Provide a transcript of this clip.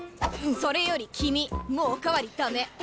それより君もうお代わり駄目！